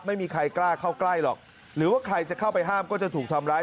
ไม่มีใครกล้าเข้าใกล้หรอกหรือว่าใครจะเข้าไปห้ามก็จะถูกทำร้าย